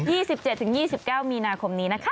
๒๗ถึง๒๙มีนาคมนี้นะคะ